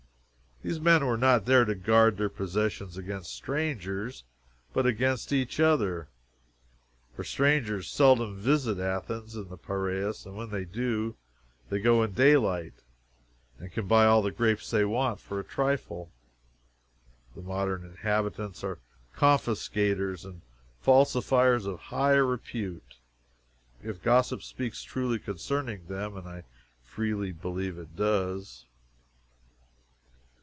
These men were not there to guard their possessions against strangers, but against each other; for strangers seldom visit Athens and the Piraeus, and when they do, they go in daylight, and can buy all the grapes they want for a trifle. The modern inhabitants are confiscators and falsifiers of high repute, if gossip speaks truly concerning them, and I freely believe it does.